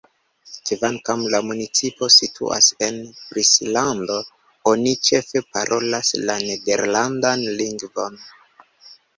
Kvankam la municipo situas en Frislando, oni ĉefe parolas la nederlandan lingvon.